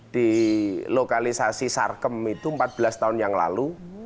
di lokalisasi sarkem itu empat belas tahun yang lalu